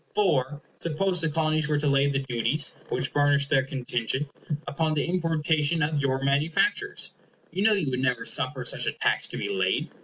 For, suppose the Colonies were to lay the duties, which furnished their contingent, upon the importation of your manufactures, you know you would never suffer such a tax to be laid.